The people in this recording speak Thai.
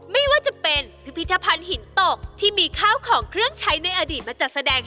ไม่ว่าจะเป็นพิพิธภัณฑ์หินตกที่มีข้าวของเครื่องใช้ในอดีตมาจัดแสดง